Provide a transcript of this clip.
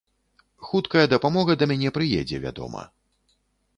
Хуткая дапамога да мяне прыедзе, вядома.